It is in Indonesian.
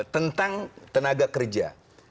tentang tenaga kerja